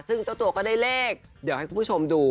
ซึ่งเจ้าตัวก็ได้เลขเดี๋ยวให้คุณผู้ชมดู